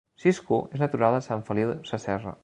Cisco és natural de Sant Feliu Sasserra